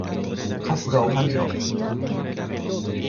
春日を感じろ！